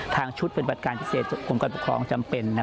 ชุดปฏิบัติการพิเศษกรมการปกครองจำเป็น